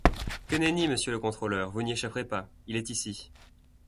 Que nenni, monsieur le contrôleur, vous n'y échapperez pas, il est ici.